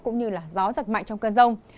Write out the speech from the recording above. cũng như là gió giật mạnh trong cơn rông